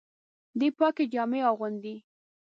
دی پاکي جامې اغوندي.